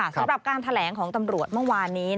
สำหรับการแถลงของตำรวจเมื่อวานนี้